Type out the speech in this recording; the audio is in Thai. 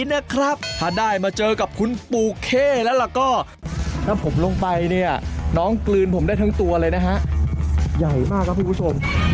ถ้าได้มาเจอกับคุณปูเคแล้วหลักก็